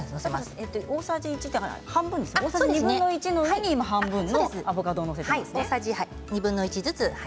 大さじ２分の１の上に半分のアボカドを載せています。